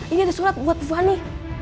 ini ada surat buat fani